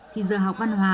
thì giờ học văn hóa